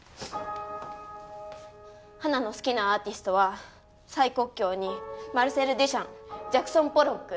ハナの好きなアーティストは蔡國強にマルセル・デュシャンジャクソン・ポロック